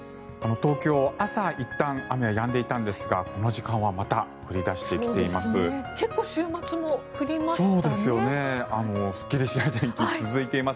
東京、朝はいったん雨はやんでいたんですがこの時間はまた降り出してきています。